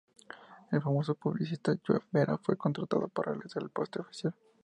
El famoso publicista Joe Vera fue contratado para realizar el póster oficial.